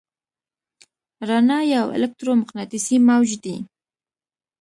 رڼا یو الکترومقناطیسي موج دی.